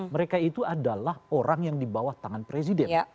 mereka itu adalah orang yang di bawah tangan presiden